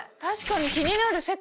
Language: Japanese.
確かに気になる。